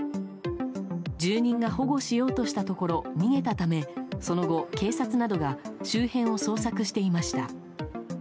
住人が保護しようとしたところ逃げたためその後、警察などが周辺を捜索していました。